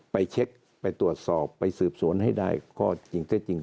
ไปเช็คไปตรวจสอบไปสืบสวนให้ได้ข้อจริงเท็จจริง